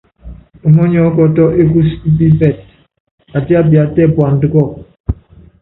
Ɔmɔnyiɔ́kɔtɔ́ ékúsí kúpípɛtɛ́, atíapia tɛ puandá kɔ́ɔku.